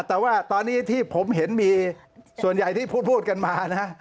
แต่ว่าตอนนี้ที่ผมเห็นมีส่วนใหญ่ที่พูดกันมานะ